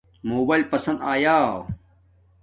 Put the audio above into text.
موباݵل پسند ناݵے